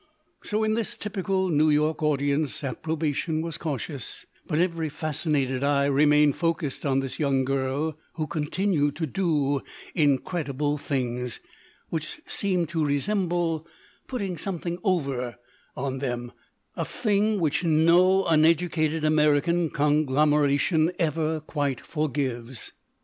So in this typical New York audience approbation was cautious, but every fascinated eye remained focused on this young girl who continued to do incredible things, which seemed to resemble "putting something over" on them; a thing which no uneducated American conglomeration ever quite forgives.